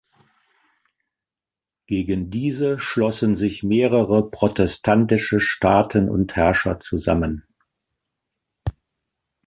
Gegen diese schlossen sich mehrere protestantische Staaten und Herrscher zusammen.